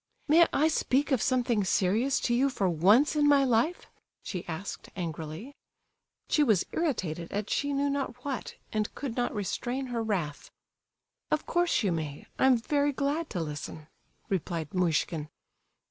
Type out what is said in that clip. "May I speak of something serious to you, for once in my life?" she asked, angrily. She was irritated at she knew not what, and could not restrain her wrath. "Of course you may; I am very glad to listen," replied Muishkin.